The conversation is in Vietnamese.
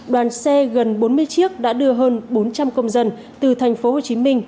đoàn xe gần bốn mươi chiếc đã đưa hơn bốn trăm linh công dân từ thành phố hồ chí minh